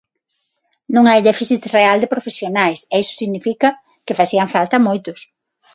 Non hai déficit real de profesionais, e iso significa que facían falta moitos.